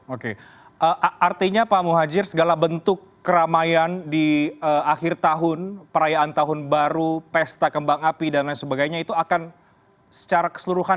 oke artinya pak muhajir segala bentuk keramaian di akhir tahun perayaan tahun baru pesta kembang api dan lain sebagainya itu akan secara keseluruhan